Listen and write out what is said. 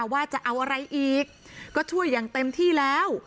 ว่าจะเอาอะไรอีกก็ช่วยอย่างเต็มที่แล้ว